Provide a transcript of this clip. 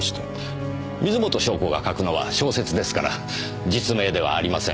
水元湘子が書くのは小説ですから実名ではありません。